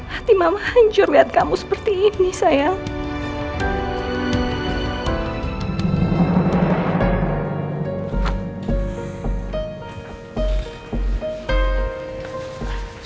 hati mama hancur melihat kamu seperti ini sayang